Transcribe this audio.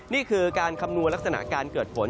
นี่คือการคำนวณลักษณะการเกิดฝน